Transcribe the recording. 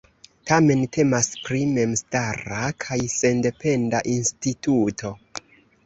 Tamen temas pri memstara kaj sendependa instituto.